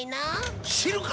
知るか！